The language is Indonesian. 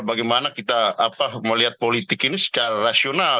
ee ini kan soal bagaimana kita apa melihat politik ini secara rasional